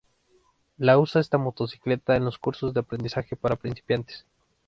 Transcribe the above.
La usa esta motocicleta en los cursos de aprendizaje para principiantes.